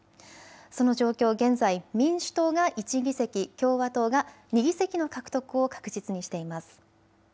その状況、現在民主党が１議席、共和党が２議席の獲得を確実にしています。